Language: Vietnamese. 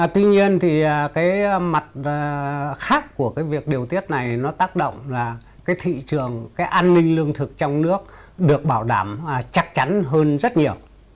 tuy nhiên thì cái mặt khác của cái việc điều tiết này nó tác động là cái thị trường cái an ninh lương thực trong nước được bảo đảm chắc chắn hơn rất nhiều